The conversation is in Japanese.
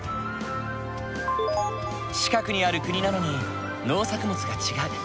近くにある国なのに農作物が違う。